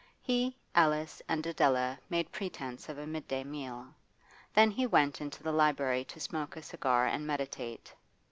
He, Alice, and Adela made pretence of a midday meal; then he went into the library to smoke a cigar and meditate.